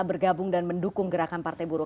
bergabung dan mendukung gerakan partai buruh